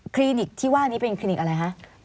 ลิกที่ว่านี้เป็นคลินิกอะไรคะ